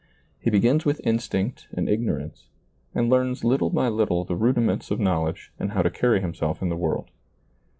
He begins with instinct and ignorance, and learns little by little the rudiments of knowledge and how to carry himself in the world.